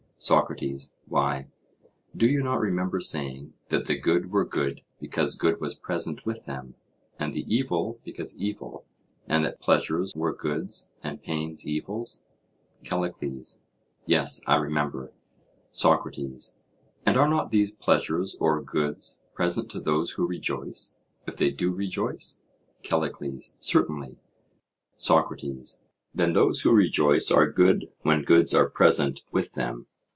SOCRATES: Why, do you not remember saying that the good were good because good was present with them, and the evil because evil; and that pleasures were goods and pains evils? CALLICLES: Yes, I remember. SOCRATES: And are not these pleasures or goods present to those who rejoice—if they do rejoice? CALLICLES: Certainly. SOCRATES: Then those who rejoice are good when goods are present with them?